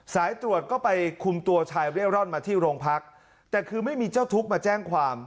สายตรวจก็ไปคุมตัวชายเร่ร่อนมาที่โรงพักแต่คือไม่มีเจ้าทุกข์มาแจ้งความ